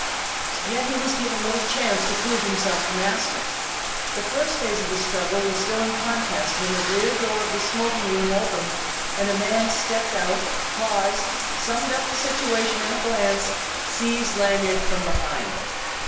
Yet he was given little chance to prove himself the master. The first phase of the struggle was still in contest when the rear door of the smoking room opened and a man stepped out, paused, summed up the situation in a glance, seized Lanyard from behind.